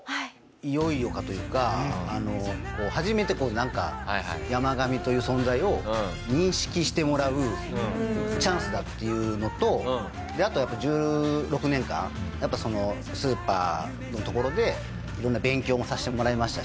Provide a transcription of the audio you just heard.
「いよいよか」というか初めてこうなんかヤマガミという存在を認識してもらうチャンスだっていうのとあとは１６年間スーパーのところで色んな勉強もさせてもらいましたし。